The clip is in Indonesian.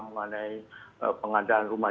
mengenai pengadaan rumah